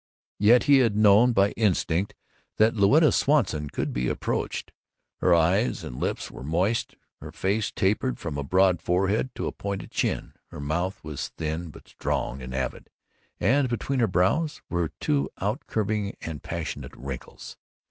Yet he had known by instinct that Louetta Swanson could be approached. Her eyes and lips were moist. Her face tapered from a broad forehead to a pointed chin, her mouth was thin but strong and avid, and between her brows were two outcurving and passionate wrinkles.